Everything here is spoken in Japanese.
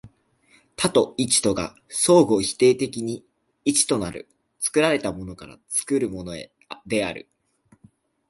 多と一とが相互否定的に一となる、作られたものから作るものへである。